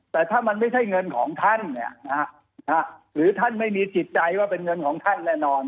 แต่ถ้ามันไม่ใช่เงินของท่านหรือท่านไม่มีจิตใจว่าเป็นเงินของท่านแน่นอน